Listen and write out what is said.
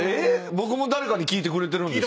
僕も誰かに聞いてくれてるんですか？